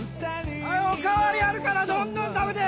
はいおかわりあるからどんどん食べて！